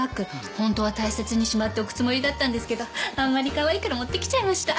本当は大切にしまっておくつもりだったんですけどあんまりかわいいから持ってきちゃいました。